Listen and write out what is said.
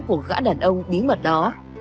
của gã đàn ông bí mật đó